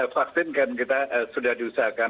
vaksin kan kita sudah diusahakan